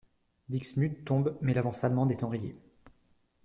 Dixmude tombe mais l'avance allemande est enrayée.